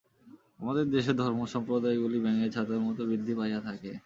আমার দেশে ধর্মসম্প্রদায়গুলি ব্যাঙের ছাতার মত বৃদ্ধি পাইয়া থাকে।